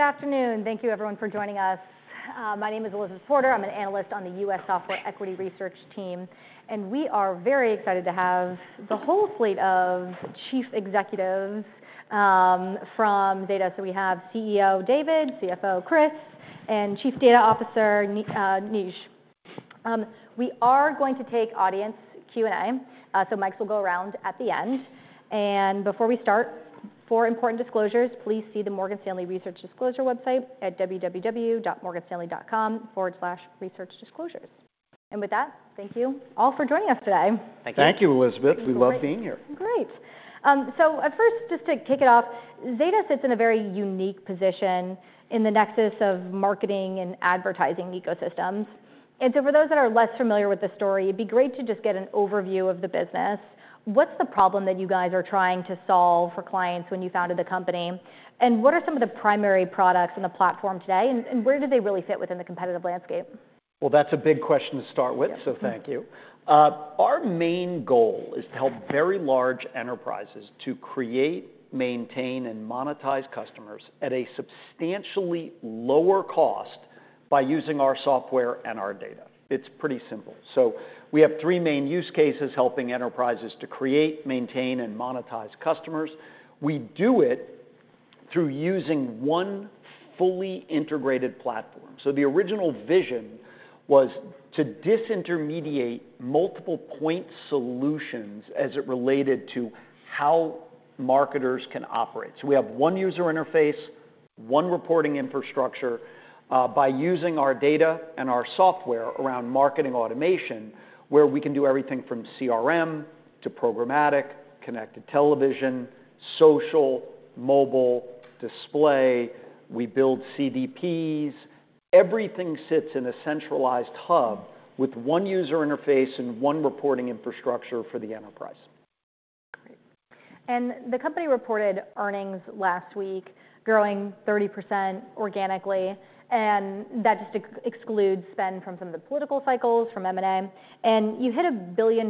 Good afternoon. Thank you, everyone, for joining us. My name is Elizabeth Porter. I'm an analyst on the U.S. Software Equity Research team. And we are very excited to have the whole fleet of chief executives from Zeta. So we have CEO David, CFO Chris, and Chief Data Officer Neej. We are going to take audience Q&A. So mics will go around at the end. And before we start, four important disclosures. Please see the Morgan Stanley Research Disclosure website at www.morganstanley.com/researchdisclosures. And with that, thank you all for joining us today. Thank you. Thank you, Elizabeth. We love being here. Great. So first, just to kick it off, Zeta sits in a very unique position in the nexus of marketing and advertising ecosystems. And so for those that are less familiar with the story, it'd be great to just get an overview of the business. What's the problem that you guys are trying to solve for clients when you founded the company? And what are some of the primary products and the platform today? And where do they really fit within the competitive landscape? That's a big question to start with, so thank you. Our main goal is to help very large enterprises to create, maintain, and monetize customers at a substantially lower cost by using our software and our data. It's pretty simple. We have three main use cases helping enterprises to create, maintain, and monetize customers. We do it through using one fully integrated platform. The original vision was to disintermediate multiple point solutions as it related to how marketers can operate. We have one user interface, one reporting infrastructure by using our data and our software around marketing automation, where we can do everything from CRM to programmatic, connected television, social, mobile, display. We build CDPs. Everything sits in a centralized hub with one user interface and one reporting infrastructure for the enterprise. Great. And the company reported earnings last week growing 30% organically. And that just excludes spend from some of the political cycles, from M&A. And you hit $1 billion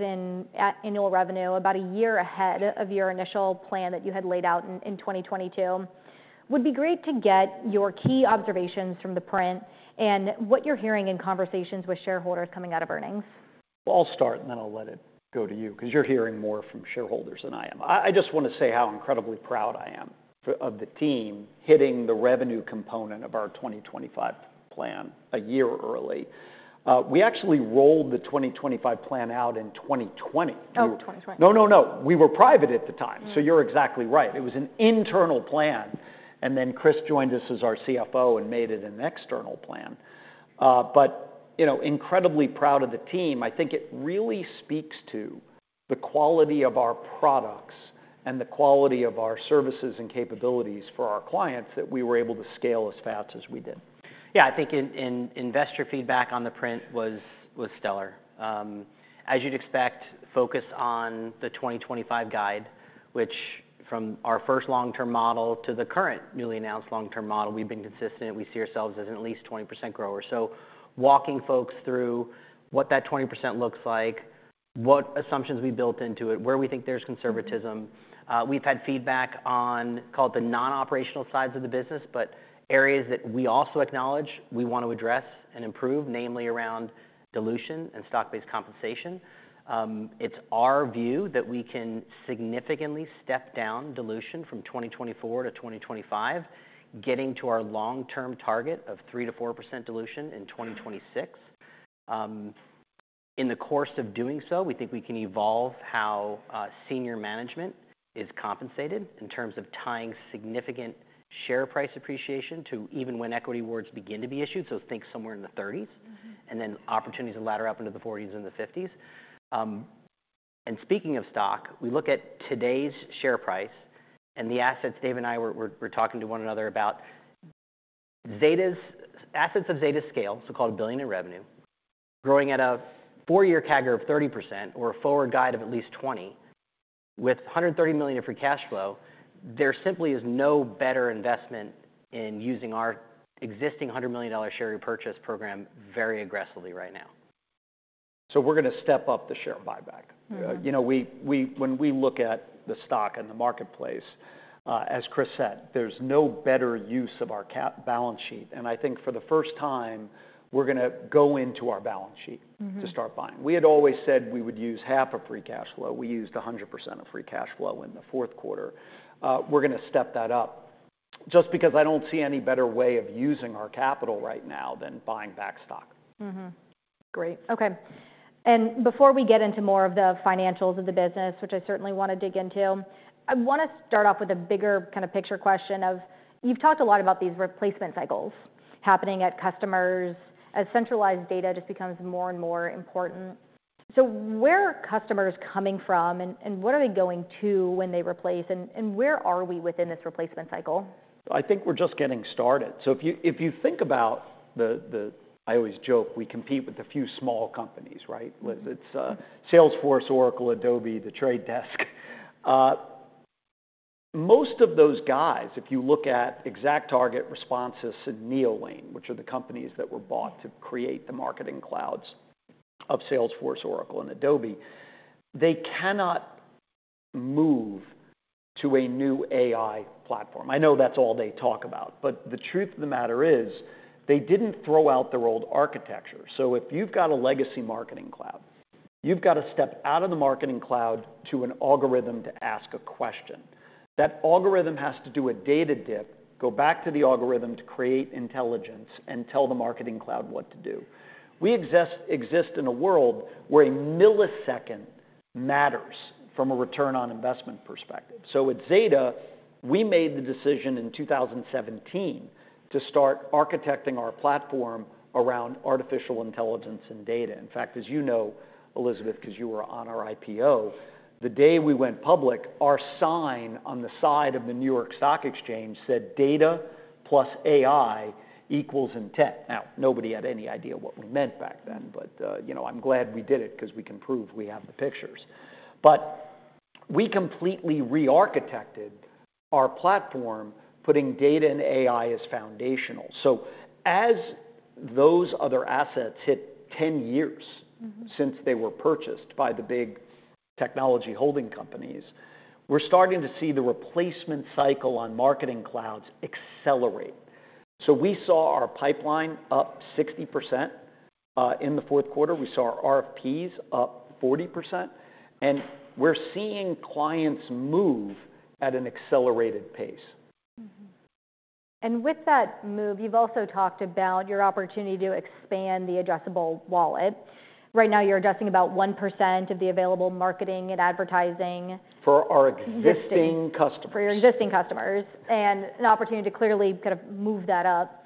in annual revenue about a year ahead of your initial plan that you had laid out in 2022. Would be great to get your key observations from the print and what you're hearing in conversations with shareholders coming out of earnings. I'll start, and then I'll let it go to you, because you're hearing more from shareholders than I am. I just want to say how incredibly proud I am of the team hitting the revenue component of our 2025 plan a year early. We actually rolled the 2025 plan out in 2020. Oh, 2020. No, no, no. We were private at the time. So you're exactly right. It was an internal plan. And then Chris joined us as our CFO and made it an external plan. But incredibly proud of the team. I think it really speaks to the quality of our products and the quality of our services and capabilities for our clients that we were able to scale as fast as we did. Yeah, I think investor feedback on the print was stellar. As you'd expect, focus on the 2025 guide, which from our first long-term model to the current newly announced long-term model, we've been consistent. We see ourselves as an at least 20% grower. So walking folks through what that 20% looks like, what assumptions we built into it, where we think there's conservatism. We've had feedback on called the non-operational sides of the business, but areas that we also acknowledge we want to address and improve, namely around dilution and stock-based compensation. It's our view that we can significantly step down dilution from 2024-2025, getting to our long-term target of 3%-4% dilution in 2026. In the course of doing so, we think we can evolve how senior management is compensated in terms of tying significant share price appreciation to even when equity awards begin to be issued, so think somewhere in the 30s, and then opportunities to ladder up into the 40s and the 50s. And speaking of stock, we look at today's share price and the assets David and I were talking to one another about acces of Zeta's scale, so a billion in revenue, growing at a four-year CAGR of 30% or a forward guide of at least 20%, with $130 million for cash flow. There simply is no better investment in using our existing $100 million share repurchase program very aggressively right now. We're going to step up the share buyback. When we look at the stock and the marketplace, as Chris said, there's no better use of our balance sheet. I think for the first time, we're going to go into our balance sheet to start buying. We had always said we would use half of free cash flow. We used 100% of free cash flow in the fourth quarter. We're going to step that up just because I don't see any better way of using our capital right now than buying back stock. Great. OK. And before we get into more of the financials of the business, which I certainly want to dig into, I want to start off with a bigger kind of picture question of you've talked a lot about these replacement cycles happening at customers as centralized data just becomes more and more important. So where are customers coming from, and what are they going to when they replace, and where are we within this replacement cycle? I think we're just getting started. So if you think about it, I always joke we compete with a few small companies, right? It's Salesforce, Oracle, Adobe, The Trade Desk. Most of those guys, if you look at ExactTarget, Responsys, and Neolane, which are the companies that were bought to create the marketing clouds of Salesforce, Oracle, and Adobe, they cannot move to a new AI platform. I know that's all they talk about. But the truth of the matter is they didn't throw out their old architecture. So if you've got a legacy marketing cloud, you've got to step out of the marketing cloud to an algorithm to ask a question. That algorithm has to do a data dip, go back to the algorithm to create intelligence, and tell the marketing cloud what to do. We exist in a world where a millisecond matters from a return on investment perspective. So at Zeta, we made the decision in 2017 to start architecting our platform around artificial intelligence and data. In fact, as you know, Elizabeth, because you were on our IPO, the day we went public, our sign on the side of the New York Stock Exchange said data plus AI equals intent. Now, nobody had any idea what we meant back then. But I'm glad we did it because we can prove we have the pictures. But we completely re-architected our platform, putting data and AI as foundational. So as those other assets hit 10 years since they were purchased by the big technology holding companies, we're starting to see the replacement cycle on marketing clouds accelerate. So we saw our pipeline up 60% in the fourth quarter. We saw our RFPs up 40%. We're seeing clients move at an accelerated pace. With that move, you've also talked about your opportunity to expand the addressable wallet. Right now, you're addressing about 1% of the available marketing and advertising. For our existing customers. For your existing customers, and an opportunity to clearly kind of move that up.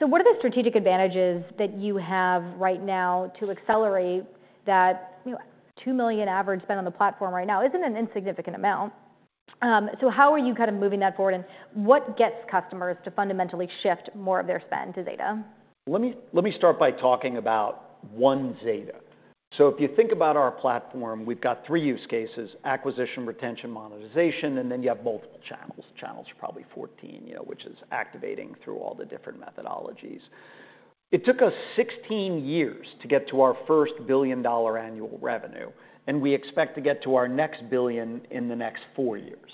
So what are the strategic advantages that you have right now to accelerate that $2 million average spend on the platform right now? Isn't an insignificant amount. So how are you kind of moving that forward? And what gets customers to fundamentally shift more of their spend to Zeta? Let me start by talking about One Zeta. So if you think about our platform, we've got three use cases: acquisition, retention, monetization, and then you have multiple channels. Channels are probably 14, which is activating through all the different methodologies. It took us 16 years to get to our first billion-dollar annual revenue. And we expect to get to our next billion in the next four years.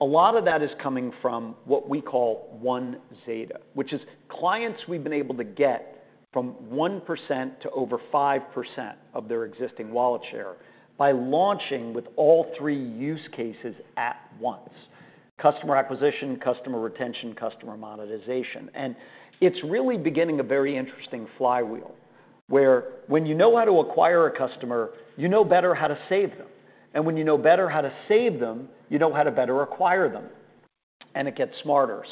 A lot of that is coming from what we call One Zeta, which is clients we've been able to get from 1%-over 5% of their existing wallet share by launching with all three use cases at once: customer acquisition, customer retention, customer monetization. And it's really beginning a very interesting flywheel, where when you know how to acquire a customer, you know better how to save them. When you know better how to save them, you know how to better acquire them. And it gets smarter.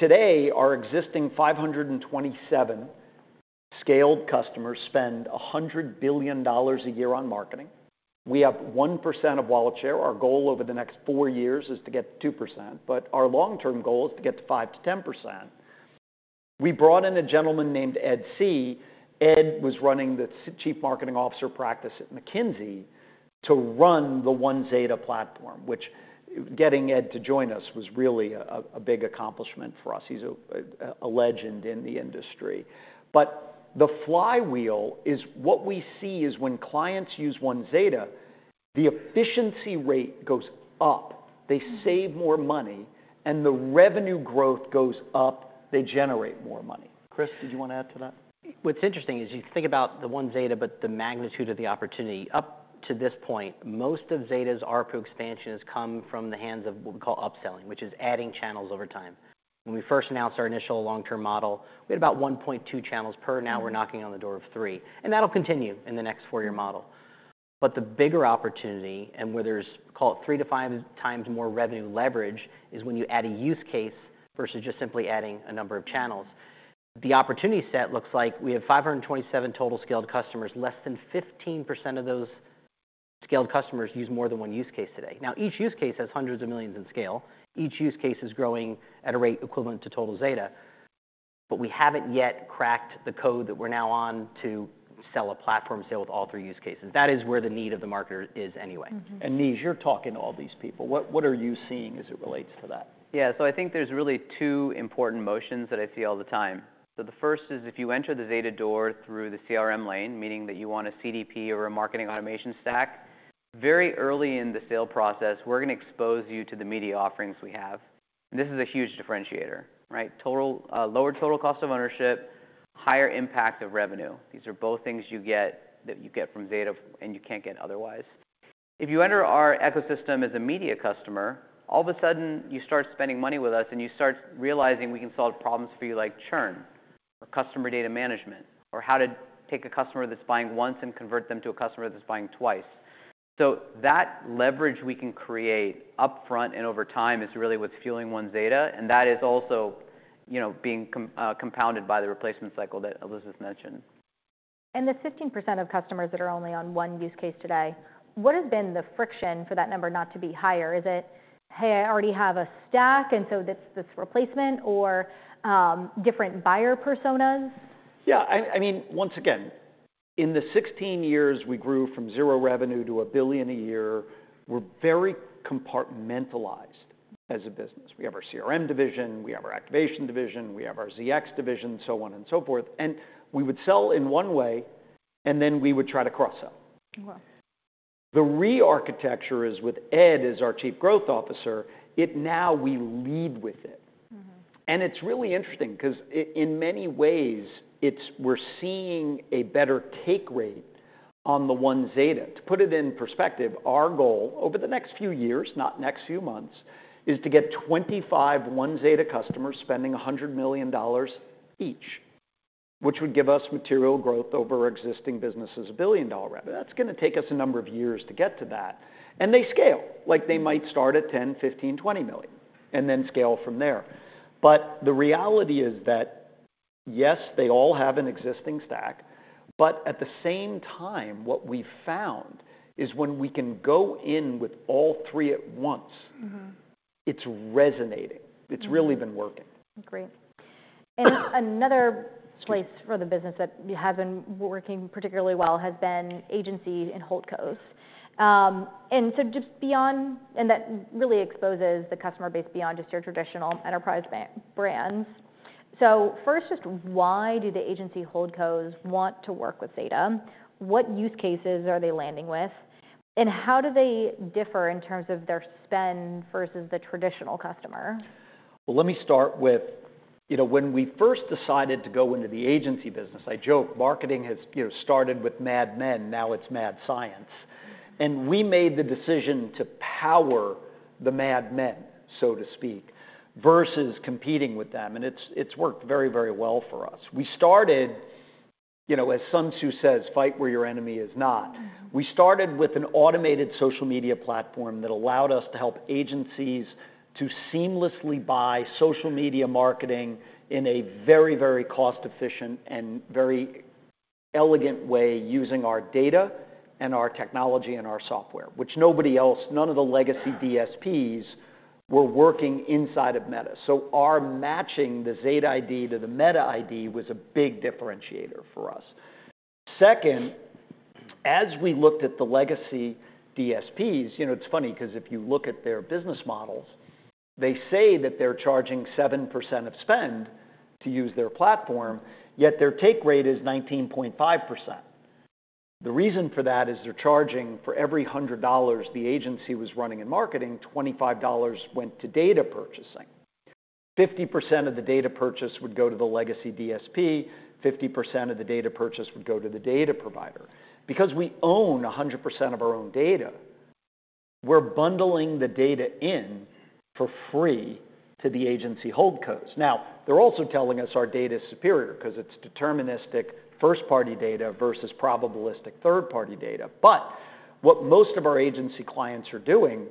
Today, our existing 527 scaled customers spend $100 billion a year on marketing. We have 1% of wallet share. Our goal over the next four years is to get to 2%. Our long-term goal is to get to 5%-10%. We brought in a gentleman named Ed See. Ed was running the Chief Marketing Officer practice at McKinsey to run the One Zeta platform, which, getting Ed to join us was really a big accomplishment for us. He's a legend in the industry. The flywheel is what we see is when clients use One Zeta, the efficiency rate goes up. They save more money, and the revenue growth goes up. They generate more money. Chris, did you want to add to that? What's interesting is, you think about the One Zeta, but the magnitude of the opportunity. Up to this point, most of Zeta's RFP expansion has come from the hands of what we call upselling, which is adding channels over time. When we first announced our initial long-term model, we had about 1.2 channels per. Now we're knocking on the door of three. That'll continue in the next four-year model. But the bigger opportunity, and where there's, call it, 3x-5x more revenue leverage, is when you add a use case versus just simply adding a number of channels. The opportunity set looks like we have 527 total scaled customers. Less than 15% of those scaled customers use more than one use case today. Now, each use case has hundreds of millions in scale. Each use case is growing at a rate equivalent to total Zeta. But we haven't yet cracked the code that we're now on to sell a platform sale with all three use cases. That is where the need of the market is anyway. Neej, you're talking to all these people. What are you seeing as it relates to that? Yeah, so I think there's really two important motions that I see all the time. The first is if you enter the Zeta door through the CRM lane, meaning that you want a CDP or a marketing automation stack, very early in the sale process, we're going to expose you to the media offerings we have. And this is a huge differentiator, right? Lower total cost of ownership, higher impact of revenue. These are both things you get from Zeta and you can't get otherwise. If you enter our ecosystem as a media customer, all of a sudden, you start spending money with us, and you start realizing we can solve problems for you like churn or customer data management or how to take a customer that's buying once and convert them to a customer that's buying twice. So that leverage we can create upfront and over time is really what's fueling One Zeta. And that is also being compounded by the replacement cycle that Elizabeth mentioned. The 15% of customers that are only on one use case today, what has been the friction for that number not to be higher? Is it, hey, I already have a stack, and so that's this replacement, or different buyer personas? Yeah, I mean, once again, in the 16 years we grew from zero revenue to $1 billion a year, we're very compartmentalized as a business. We have our CRM division. We have our activation division. We have our ZX division, so on and so forth. And we would sell in one way, and then we would try to cross-sell. Wow. The re-architecture is with Ed as our Chief Growth Officer. Now we lead with it, and it's really interesting because in many ways, we're seeing a better take rate on the One Zeta. To put it in perspective, our goal over the next few years, not next few months, is to get 25 One Zeta customers spending $100 million each, which would give us material growth over our existing businesses' billion-dollar revenue. That's going to take us a number of years to get to that, and they scale. Like, they might start at $10 million, $15 million, $20 million, and then scale from there, but the reality is that, yes, they all have an existing stack, but at the same time, what we've found is when we can go in with all three at once, it's resonating. It's really been working. Great. And another place for the business that has been working particularly well has been agency and holdcos. And so just beyond, and that really exposes the customer base beyond just your traditional enterprise brands. So first, just why do the agency holdcos want to work with Zeta? What use cases are they landing with? And how do they differ in terms of their spend versus the traditional customer? Let me start with when we first decided to go into the agency business. I joke. Marketing has started with Mad Men. Now it's mad science. And we made the decision to power the Mad Men, so to speak, versus competing with them. And it's worked very, very well for us. We started, as Sun Tzu says, fight where your enemy is not. We started with an automated social media platform that allowed us to help agencies to seamlessly buy social media marketing in a very, very cost-efficient and very elegant way using our data and our technology and our software, which nobody else, none of the legacy DSPs were working inside of Meta. So our matching the Zeta ID to the Meta ID was a big differentiator for us. Second, as we looked at the legacy DSPs, it's funny because if you look at their business models, they say that they're charging 7% of spend to use their platform, yet their take rate is 19.5%. The reason for that is they're charging for every $100 the agency was running in marketing, $25 went to data purchasing. 50% of the data purchase would go to the legacy DSP. 50% of the data purchase would go to the data provider. Because we own 100% of our own data, we're bundling the data in for free to the agency hold costs. Now, they're also telling us our data is superior because it's deterministic first-party data versus probabilistic third-party data. But what most of our agency clients are doing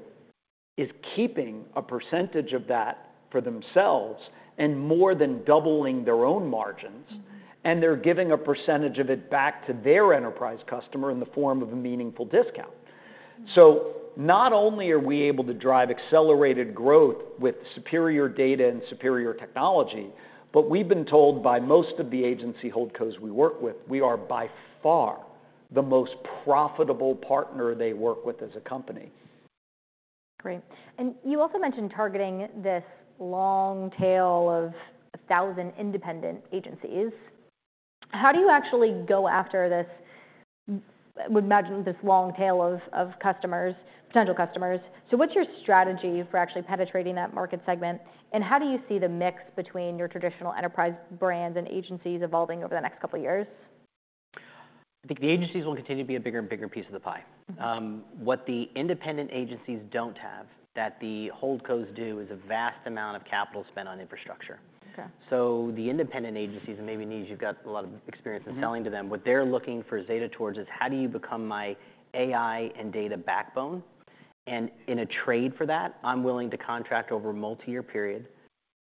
is keeping a percentage of that for themselves and more than doubling their own margins. And they're giving a percentage of it back to their enterprise customer in the form of a meaningful discount. So not only are we able to drive accelerated growth with superior data and superior technology, but we've been told by most of the agency holding cos we work with, we are by far the most profitable partner they work with as a company. Great. And you also mentioned targeting this long tail of 1,000 independent agencies. How do you actually go after this, I would imagine, this long tail of customers, potential customers? So what's your strategy for actually penetrating that market segment? And how do you see the mix between your traditional enterprise brands and agencies evolving over the next couple of years? I think the agencies will continue to be a bigger and bigger piece of the pie. What the independent agencies don't have that the holding cos do is a vast amount of capital spent on infrastructure. So the independent agencies, and maybe Neej, you've got a lot of experience in selling to them, what they're looking for Zeta towards is how do you become my AI and data backbone? And in a trade for that, I'm willing to contract over a multi-year period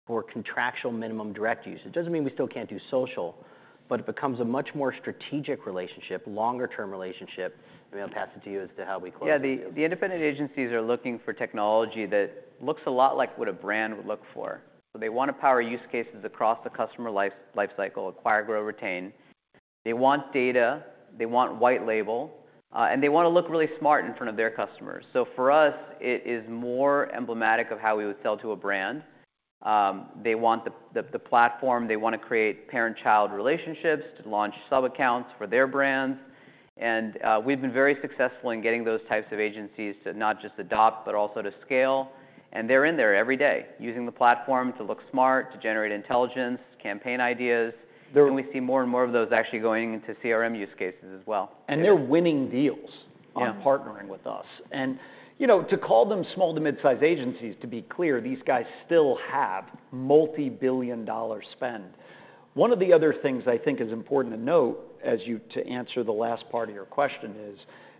for contractual minimum direct use. It doesn't mean we still can't do social, but it becomes a much more strategic relationship, longer-term relationship. Maybe I'll pass it to you as to how we close. Yeah, the independent agencies are looking for technology that looks a lot like what a brand would look for. So they want to power use cases across the customer lifecycle, acquire, grow, retain. They want data. They want white label. And they want to look really smart in front of their customers. So for us, it is more emblematic of how we would sell to a brand. They want the platform. They want to create parent-child relationships to launch sub-accounts for their brands. And we've been very successful in getting those types of agencies to not just adopt, but also to scale. And they're in there every day using the platform to look smart, to generate intelligence, campaign ideas. And we see more and more of those actually going into CRM use cases as well. They're winning deals on partnering with us. To call them small to mid-size agencies, to be clear, these guys still have multi-billion-dollar spend. One of the other things I think is important to note as you answer the last part of your question is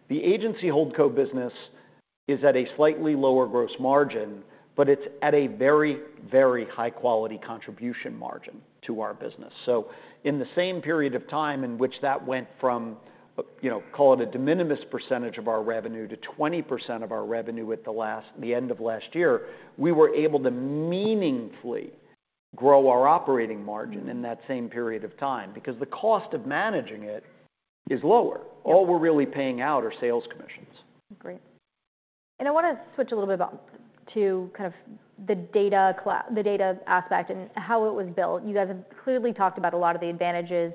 the agency holdco business is at a slightly lower gross margin, but it's at a very, very high-quality contribution margin to our business. So in the same period of time in which that went from, call it, a de minimis percentage of our revenue to 20% of our revenue at the end of last year, we were able to meaningfully grow our operating margin in that same period of time because the cost of managing it is lower. All we're really paying out are sales commissions. Great. And I want to switch a little bit to kind of the data aspect and how it was built. You guys have clearly talked about a lot of the advantages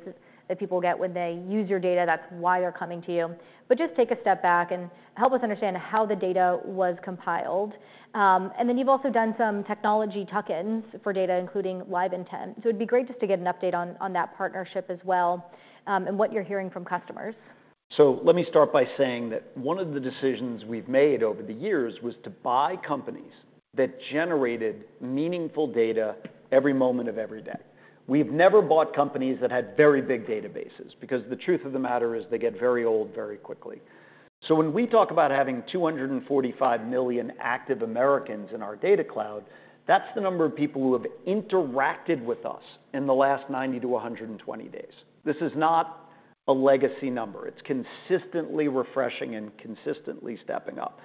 that people get when they use your data. That's why they're coming to you. But just take a step back and help us understand how the data was compiled. And then you've also done some technology tuck-ins for data, including LiveIntent. So it'd be great just to get an update on that partnership as well and what you're hearing from customers. Let me start by saying that one of the decisions we've made over the years was to buy companies that generated meaningful data every moment of every day. We've never bought companies that had very big databases because the truth of the matter is they get very old very quickly. When we talk about having 245 million active Americans in our data cloud, that's the number of people who have interacted with us in the last 90 days-120 days. This is not a legacy number. It's consistently refreshing and consistently stepping up.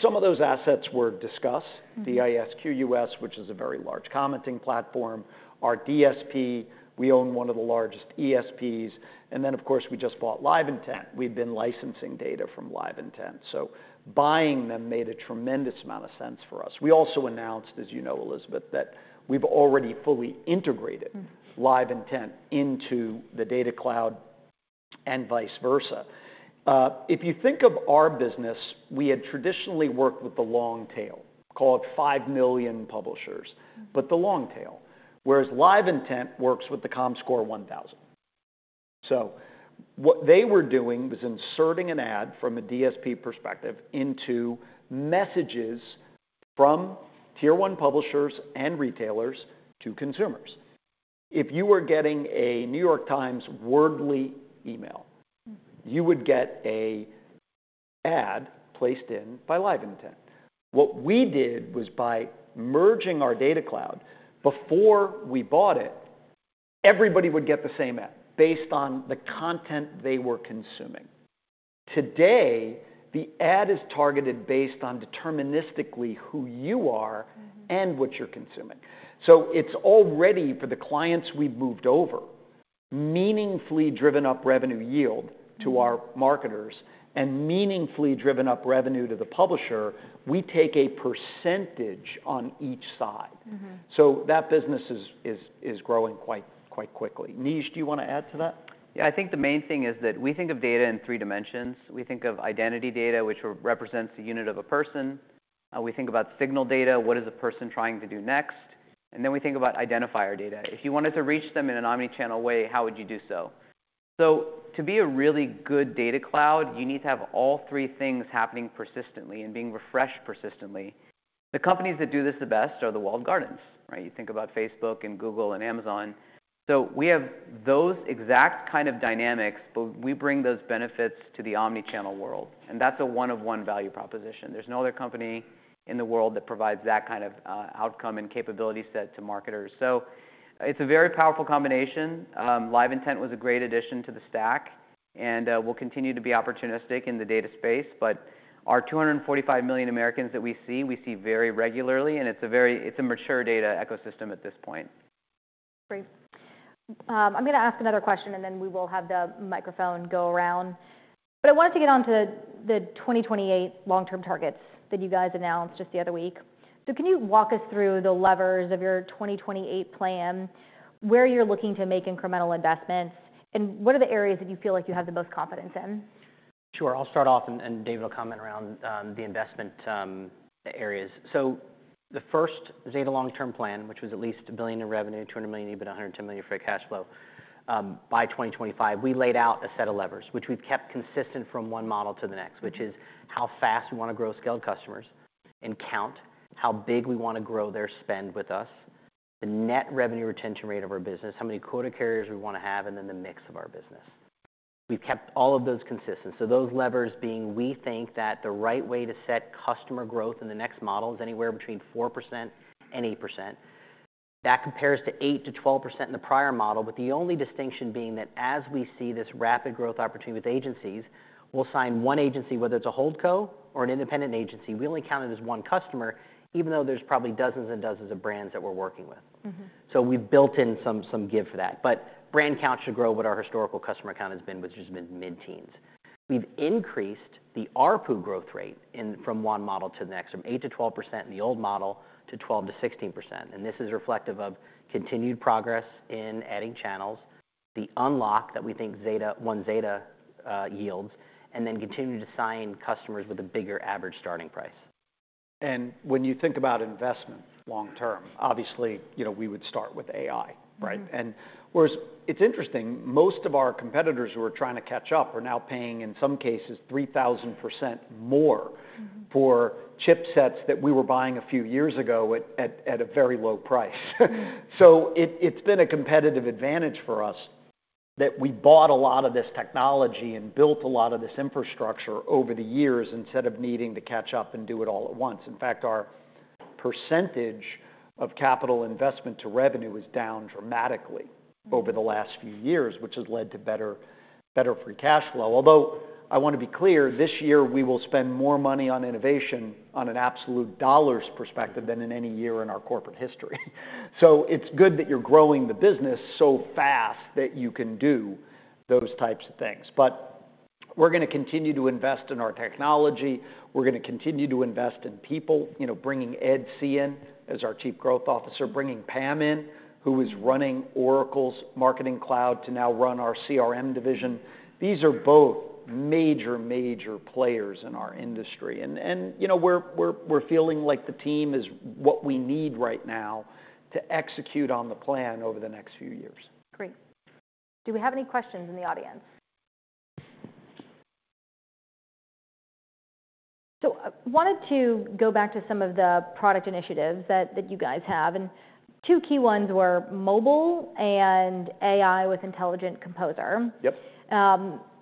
Some of those assets were Disqus, the D-I-S-Q-U-S which is a very large commenting platform, our DSP. We own one of the largest ESPs. And then, of course, we just bought LiveIntent. We've been licensing data from LiveIntent. So buying them made a tremendous amount of sense for us. We also announced, as you know, Elizabeth, that we've already fully integrated LiveIntent into the data cloud and vice versa. If you think of our business, we had traditionally worked with the long tail, called 5 million publishers, but the long tail, whereas LiveIntent works with the Comscore 1,000. So what they were doing was inserting an ad from a DSP perspective into messages from Tier 1 publishers and retailers to consumers. If you were getting a New York Times Wordle email, you would get an ad placed in by LiveIntent. What we did was by merging our data cloud, before we bought it, everybody would get the same ad based on the content they were consuming. Today, the ad is targeted based on deterministically who you are and what you're consuming. So it's already, for the clients we've moved over, meaningfully driven up revenue yield to our marketers and meaningfully driven up revenue to the publisher. We take a percentage on each side. So that business is growing quite quickly. Neej, do you want to add to that? Yeah, I think the main thing is that we think of data in three dimensions. We think of identity data, which represents the unit of a person. We think about signal data, what is a person trying to do next. And then we think about identifier data. If you wanted to reach them in an omnichannel way, how would you do so? So to be a really good data cloud, you need to have all three things happening persistently and being refreshed persistently. The companies that do this the best are the walled gardens, right? You think about Facebook and Google and Amazon. So we have those exact kind of dynamics, but we bring those benefits to the omnichannel world. And that's a one-of-one value proposition. There's no other company in the world that provides that kind of outcome and capability set to marketers. So it's a very powerful combination. LiveIntent was a great addition to the stack, and we'll continue to be opportunistic in the data space, but our 245 million Americans that we see, we see very regularly, and it's a mature data ecosystem at this point. Great. I'm going to ask another question, and then we will have the microphone go around. But I wanted to get on to the 2028 long-term targets that you guys announced just the other week. So can you walk us through the levers of your 2028 plan, where you're looking to make incremental investments, and what are the areas that you feel like you have the most confidence in? Sure. I'll start off, and David will comment around the investment areas. So the first Zeta long-term plan, which was at least $1 billion in revenue, $200 million, even $110 million for cash flow by 2025, we laid out a set of levers, which we've kept consistent from one model to the next, which is how fast we want to grow scaled customers and count how big we want to grow their spend with us, the net revenue retention rate of our business, how many quota carriers we want to have, and then the mix of our business. We've kept all of those consistent. So those levers being we think that the right way to set customer growth in the next model is anywhere between 4% and 8%. That compares to 8%-12% in the prior model, but the only distinction being that as we see this rapid growth opportunity with agencies, we'll sign one agency, whether it's a hold co or an independent agency. We only count it as one customer, even though there's probably dozens and dozens of brands that we're working with. So we've built in some give for that. But brand count should grow what our historical customer count has been, which has been mid-teens. We've increased the ARPU growth rate from one model to the next, from 8%-12% in the old model to 12%-16%. And this is reflective of continued progress in adding channels, the unlock that we think One Zeta yields, and then continue to sign customers with a bigger average starting price. When you think about investment long-term, obviously, we would start with AI, right? Whereas it's interesting, most of our competitors who are trying to catch up are now paying, in some cases, 3,000% more for chipsets that we were buying a few years ago at a very low price. It's been a competitive advantage for us that we bought a lot of this technology and built a lot of this infrastructure over the years instead of needing to catch up and do it all at once. In fact, our percentage of capital investment to revenue is down dramatically over the last few years, which has led to better free cash flow. Although I want to be clear, this year we will spend more money on innovation on an absolute dollars perspective than in any year in our corporate history. So it's good that you're growing the business so fast that you can do those types of things. But we're going to continue to invest in our technology. We're going to continue to invest in people, bringing Ed See in as our Chief Growth Officer, bringing Pam in, who is running Oracle's marketing cloud to now run our CRM division. These are both major, major players in our industry. And we're feeling like the team is what we need right now to execute on the plan over the next few years. Great. Do we have any questions in the audience? So I wanted to go back to some of the product initiatives that you guys have. And two key ones were mobile and AI with Intelligent Agent Composer.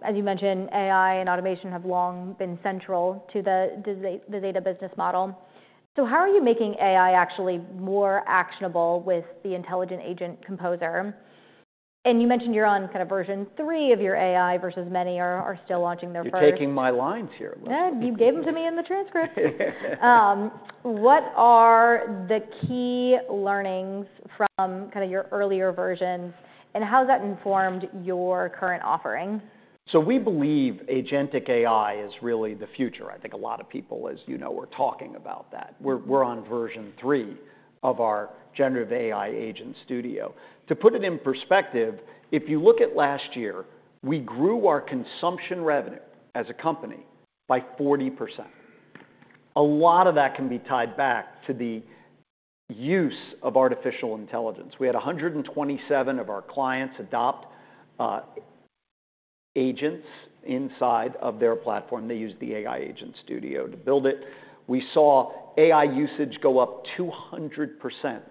As you mentioned, AI and automation have long been central to the data business model. So how are you making AI actually more actionable with the Intelligent Agent Composer? And you mentioned you're on kind of version three of your AI versus many are still launching their first. You're taking my lines here. You gave them to me in the transcript. What are the key learnings from kind of your earlier versions, and how has that informed your current offering? So we believe agentic AI is really the future. I think a lot of people, as you know, are talking about that. We're on version three of our generative AI agent studio. To put it in perspective, if you look at last year, we grew our consumption revenue as a company by 40%. A lot of that can be tied back to the use of artificial intelligence. We had 127 of our clients adopt agents inside of their platform. They used the AI agent studio to build it. We saw AI usage go up 200%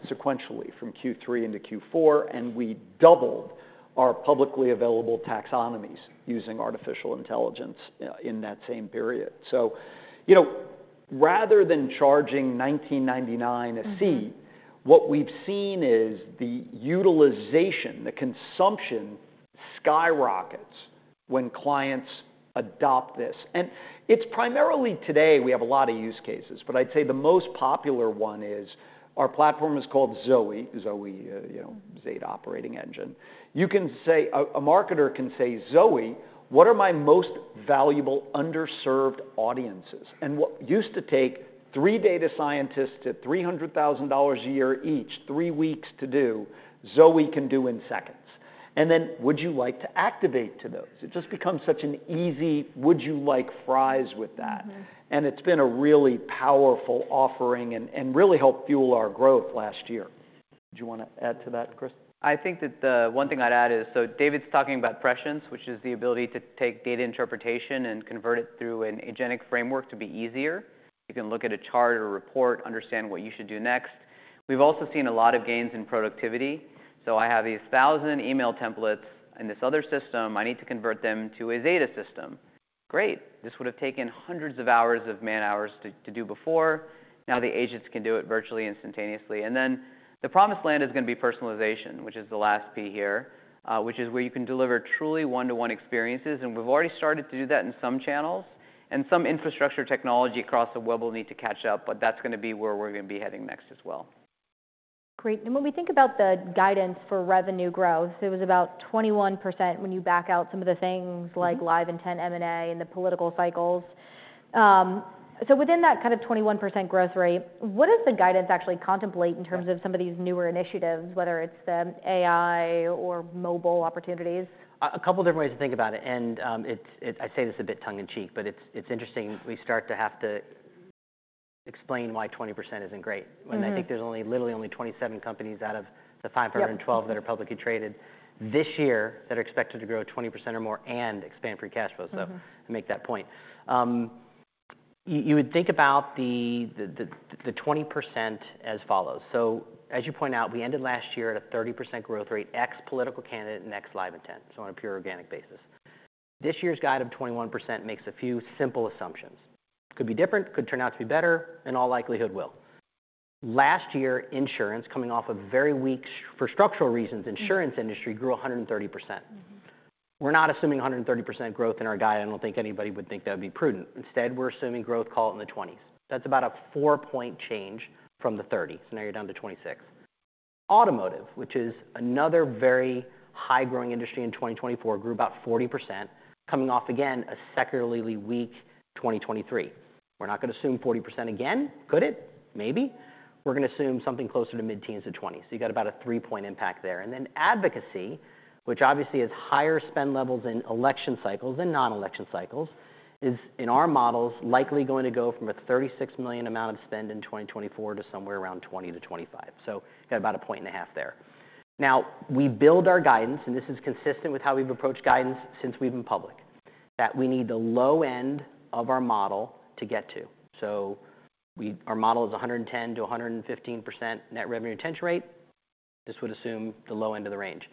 sequentially from Q3 into Q4, and we doubled our publicly available taxonomies using artificial intelligence in that same period. So rather than charging $19.99 a seat, what we've seen is the utilization, the consumption skyrockets when clients adopt this. It's primarily today we have a lot of use cases, but I'd say the most popular one is our platform is called Zoe, Zoe, Zeta Operating Engine. You can say a marketer can say, "Zoe, what are my most valuable underserved audiences?" What used to take three data scientists at $300,000 a year each, three weeks to do, Zoe can do in seconds. Then would you like to activate to those? It just becomes such an easy would you like fries with that. It's been a really powerful offering and really helped fuel our growth last year. Did you want to add to that, Chris? I think that the one thing I'd add is, so David's talking about prescience, which is the ability to take data interpretation and convert it through an agentic framework to be easier. You can look at a chart or report, understand what you should do next. We've also seen a lot of gains in productivity. So I have these 1,000 email templates in this other system. I need to convert them to a Zeta system. Great. This would have taken hundreds of hours of man hours to do before. Now the agents can do it virtually instantaneously. And then the promised land is going to be personalization, which is the last P here, which is where you can deliver truly one-to-one experiences. And we've already started to do that in some channels. Some infrastructure technology across the web will need to catch up, but that's going to be where we're going to be heading next as well. Great. And when we think about the guidance for revenue growth, it was about 21% when you back out some of the things like LiveIntent, M&A, and the political cycles. So within that kind of 21% growth rate, what does the guidance actually contemplate in terms of some of these newer initiatives, whether it's the AI or mobile opportunities? A couple of different ways to think about it. And I say this a bit tongue in cheek, but it's interesting. We start to have to explain why 20% isn't great. And I think there's only literally 27 companies out of the 512 that are publicly traded this year that are expected to grow 20% or more and expand free cash flow. So I make that point. You would think about the 20% as follows. So as you point out, we ended last year at a 30% growth rate ex political candidate and ex LiveIntent, so on a pure organic basis. This year's guide of 21% makes a few simple assumptions. Could be different, could turn out to be better, in all likelihood will. Last year, insurance coming off a very weak for structural reasons, insurance industry grew 130%. We're not assuming 130% growth in our guide. I don't think anybody would think that would be prudent. Instead, we're assuming growth, call it in the 20s%. That's about a four-point change from the 30%. So now you're down to 26%. Automotive, which is another very high-growing industry in 2024, grew about 40%, coming off again a secularly weak 2023. We're not going to assume 40% again, could it? Maybe. We're going to assume something closer to mid-teens to 20%. So you've got about a three-point impact there. And then advocacy, which obviously has higher spend levels in election cycles and non-election cycles, is in our models likely going to go from a $36 million amount of spend in 2024 to somewhere around $20 million-$25 million. So you've got about a point and a half there. Now we build our guidance, and this is consistent with how we've approached guidance since we've been public, that we need the low end of our model to get to. So our model is 110%-115% net revenue retention rate. This would assume the low end of the range.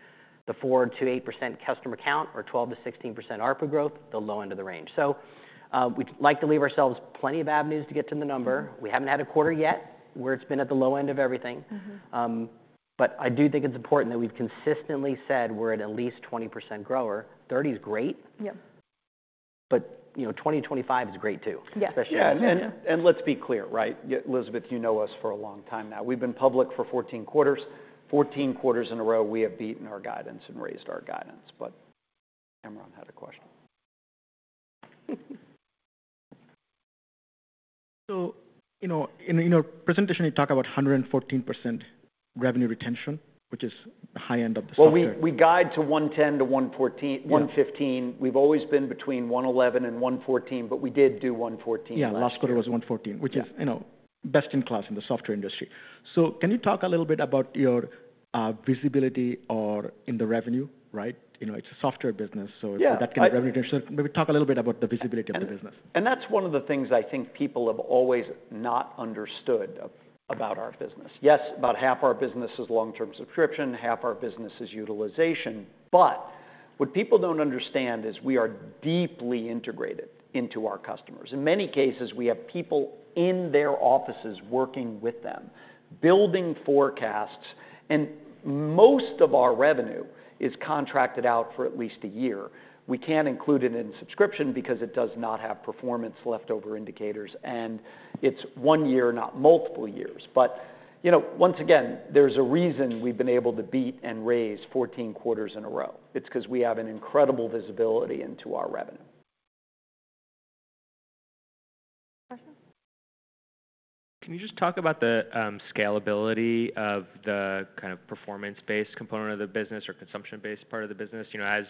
The 4%-8% customer count or 12%-16% ARPU growth, the low end of the range. So we'd like to leave ourselves plenty of avenues to get to the number. We haven't had a quarter yet where it's been at the low end of everything. But I do think it's important that we've consistently said we're at least 20% grower. 30 is great. But 2025 is great too, especially at the end. Yeah. And let's be clear, right? Elizabeth, you know us for a long time now. We've been public for 14 quarters. 14 quarters in a row, we have beaten our guidance and raised our guidance. But Cameron had a question. So in your presentation, you talk about 114% revenue retention, which is the high end of the cycle. We guide to 110%-115%. We've always been between 111% and 114%, but we did do 114%. Yeah. Last quarter was 114%, which is best in class in the software industry. So can you talk a little bit about your visibility in the revenue, right? It's a software business, so the revenue retention. So maybe talk a little bit about the visibility of the business. And that's one of the things I think people have always not understood about our business. Yes, about half our business is long-term subscription, half our business is utilization. But what people don't understand is we are deeply integrated into our customers. In many cases, we have people in their offices working with them, building forecasts. And most of our revenue is contracted out for at least a year. We can't include it in subscription because it does not have performance leftover indicators. And it's one year, not multiple years. But once again, there's a reason we've been able to beat and raise 14 quarters in a row. It's because we have an incredible visibility into our revenue. Can you just talk about the scalability of the kind of performance-based component of the business or consumption-based part of the business? As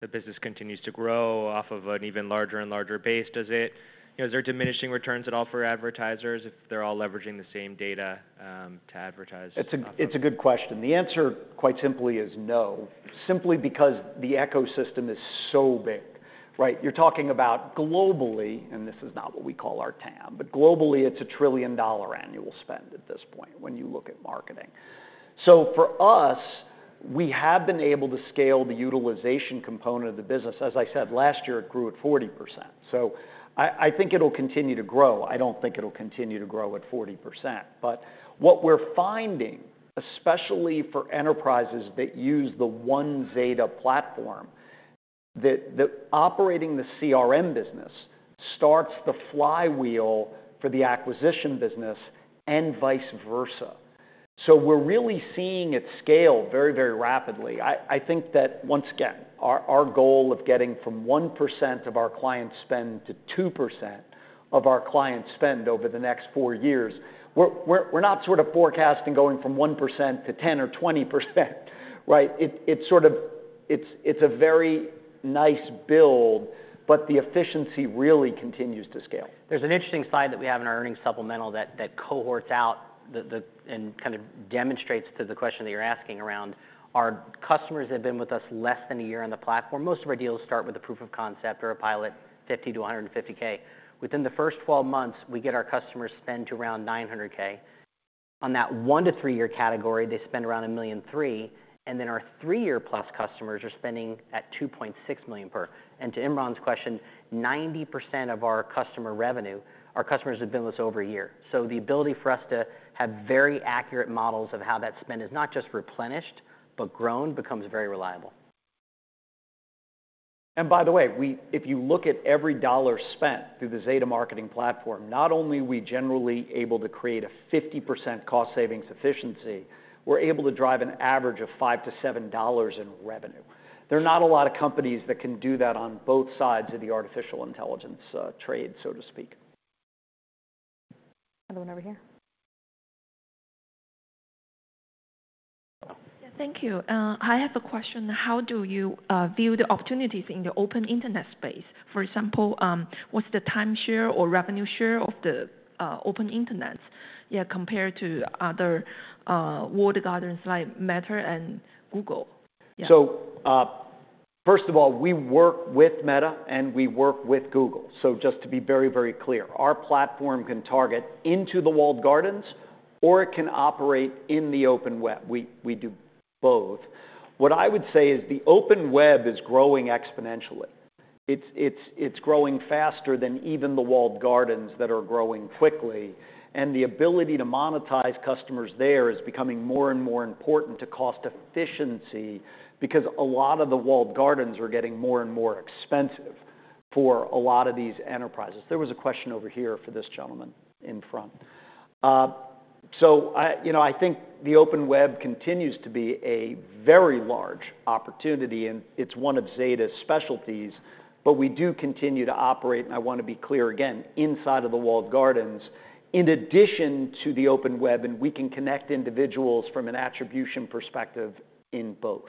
the business continues to grow off of an even larger and larger base, does it? Is there diminishing returns at all for advertisers if they're all leveraging the same data to advertise? It's a good question. The answer quite simply is no, simply because the ecosystem is so big, right? You're talking about globally, and this is not what we call our TAM, but globally, it's a $1 trillion annual spend at this point when you look at marketing. So for us, we have been able to scale the utilization component of the business. As I said, last year, it grew at 40%. So I think it'll continue to grow. I don't think it'll continue to grow at 40%. But what we're finding, especially for enterprises that use the One Zeta platform, that operating the CRM business starts the flywheel for the acquisition business and vice versa. So we're really seeing it scale very, very rapidly. I think that once again, our goal of getting from 1% of our client spend to 2% of our client spend over the next four years, we're not sort of forecasting going from 1%-10% or 20%, right? It's a very nice build, but the efficiency really continues to scale. There's an interesting slide that we have in our earnings supplemental that cohorts out and kind of demonstrates to the question that you're asking around our customers have been with us less than a year on the platform. Most of our deals start with a proof of concept or a pilot, $50,000-$150,000. Within the first 12 months, we get our customers spend to around $900,000. On that one- to three-year category, they spend around $1.3 million. And then our three-year plus customers are spending at $2.6 million per. And to Imran's question, 90% of our customer revenue, our customers have been with us over a year. So the ability for us to have very accurate models of how that spend is not just replenished, but grown becomes very reliable. And by the way, if you look at every dollar spent through the Zeta Marketing Platform, not only are we generally able to create a 50% cost savings efficiency, we're able to drive an average of $5-$7 in revenue. There are not a lot of companies that can do that on both sides of the artificial intelligence trade, so to speak. Another one over here. Thank you. I have a question. How do you view the opportunities in the open internet space? For example, what's the time share or revenue share of the open internet compared to other walled gardens like Meta and Google? So first of all, we work with Meta and we work with Google. So just to be very, very clear, our platform can target into the walled gardens or it can operate in the open web. We do both. What I would say is the open web is growing exponentially. It's growing faster than even the walled gardens that are growing quickly. And the ability to monetize customers there is becoming more and more important to cost efficiency because a lot of the walled gardens are getting more and more expensive for a lot of these enterprises. There was a question over here for this gentleman in front. So I think the open web continues to be a very large opportunity, and it's one of Zeta's specialties. But we do continue to operate, and I want to be clear again, inside of the walled gardens in addition to the open web, and we can connect individuals from an attribution perspective in both.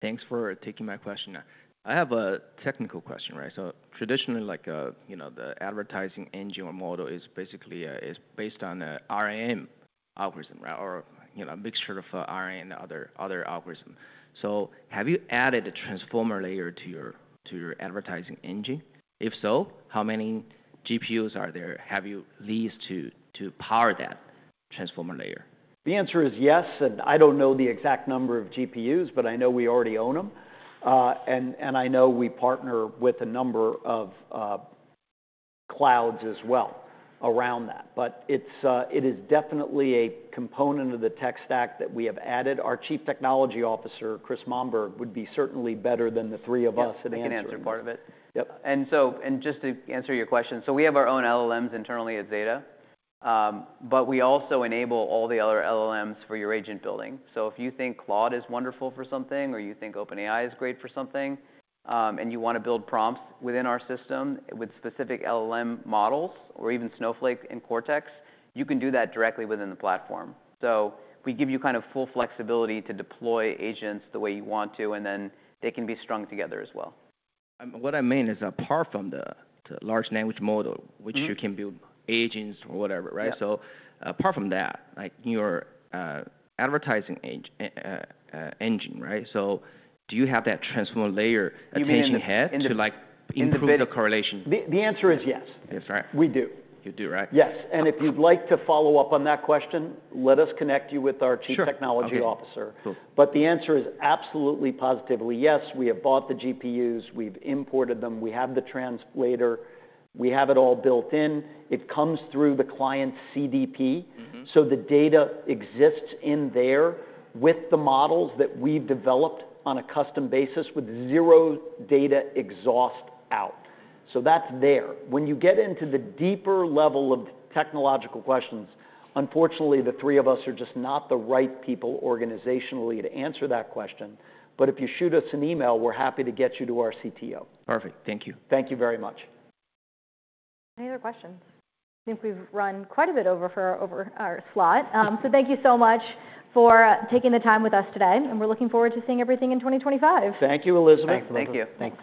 Thanks for taking my question. I have a technical question, right? So traditionally, the advertising engine or model is basically based on a RAM algorithm or a mixture of RA and other algorithms. So have you added a transformer layer to your advertising engine? If so, how many GPUs are there? Have you leased GPUs to power that transformer layer? The answer is yes, and I don't know the exact number of GPUs, but I know we already own them, and I know we partner with a number of clouds as well around that, but it is definitely a component of the tech stack that we have added. Our Chief Technology Officer, Chris Monberg, would be certainly better than the three of us. He can answer part of it and just to answer your question, so we have our own LLMs internally at Zeta, but we also enable all the other LLMs for your agent building, so if you think Claude is wonderful for something or you think OpenAI is great for something and you want to build prompts within our system with specific LLM models or even Snowflake and Cortex, you can do that directly within the platform, so we give you kind of full flexibility to deploy agents the way you want to, and then they can be strung together as well. What I mean is apart from the large language model, which you can build agents or whatever, right? So apart from that, your advertising engine, right? So do you have that transformer layer attention head to like input the correlation? The answer is yes. We do. You do, right? Yes, and if you'd like to follow up on that question, let us connect you with our Chief Technology Officer, but the answer is absolutely positively yes. We have bought the GPUs. We've imported them. We have the translator. We have it all built in. It comes through the client's CDP. So the data exists in there with the models that we've developed on a custom basis with zero data exhaust out, so that's there. When you get into the deeper level of technological questions, unfortunately, the three of us are just not the right people organizationally to answer that question, but if you shoot us an email, we're happy to get you to our CTO. Perfect. Thank you. Thank you very much. Any other questions? I think we've run quite a bit over for our slot. So thank you so much for taking the time with us today. And we're looking forward to seeing everything in 2025. Thank you, Elizabeth. Thank you. Thanks.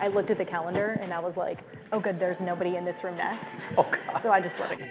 I looked at the calendar and I was like, "Oh good, there's nobody in this room next." So I just looked.